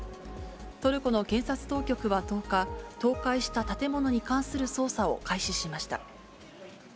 トルコの検察当局は１０日、倒壊した建物に関する捜査を開始しました。